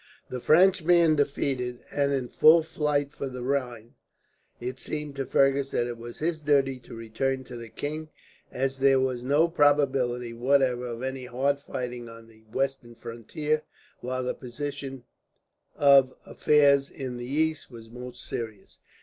The French being defeated, and in full flight for the Rhine, it seemed to Fergus that it was his duty to return to the king; as there was no probability whatever of any hard fighting on the western frontier, while the position of affairs in the east was most serious.